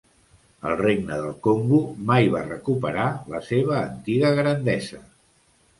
El Regne del Congo mai va recuperar la seva antiga grandesa.